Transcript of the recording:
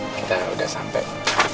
kita sudah sampai